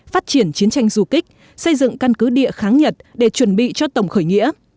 phát triển chiến tranh du kích xây dựng căn cứ địa kháng nhật để chuẩn bị cho tổng khởi nghĩa